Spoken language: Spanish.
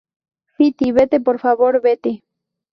Fiti, vete, por favor. vete.